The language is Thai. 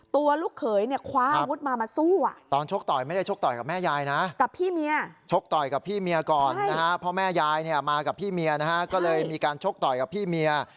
เพราะแม่ยายเนี่ยมากับพี่เมียนะฮะก็เลยมีการชกต่อยกับพี่เมีย